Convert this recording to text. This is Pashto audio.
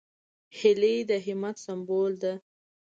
هیلۍ د همت سمبول ده